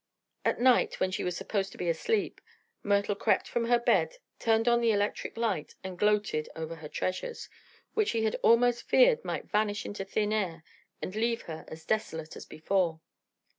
At night, when she was supposed to be asleep, Myrtle crept from her bed, turned on the electric light and gloated over her treasures, which she had almost feared might vanish into thin air and leave her as desolate as before.